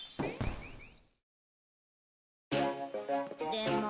でも。